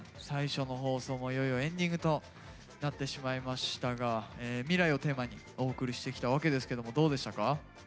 最初の放送もいよいよエンディングとなってしまいましたが「未来」をテーマにお送りしてきたわけですけどもどうでしたか？